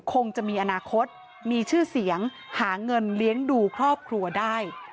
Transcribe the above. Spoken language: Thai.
คงจะมีอนาคตมีชื่อเสียงหาเงินเลี้ยงดูครอบครัวได้